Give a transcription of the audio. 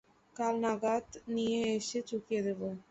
কাল নগদ নিয়ে এসে চুকিয়ে দেবো।